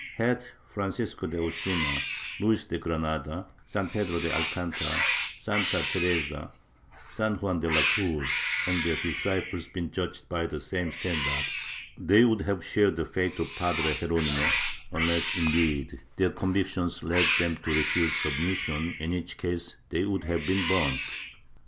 Had Francisco de Osuna, Luis de Granada, San Pedro de Alcantara, Santa Teresa, San Juan de la Cruz and their disciples been judged by the same standard, they would have shared the fate of Padre Geronimo unless, indeed, Chap V] THE MYSTICS OF SEVILLE 29 their convictions had led them to refuse submission, in which case they would have been burnt.